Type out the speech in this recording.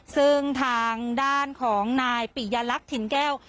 ซึ่งทางด้านของนายปิยลักษณ์ถิ่นแก้ว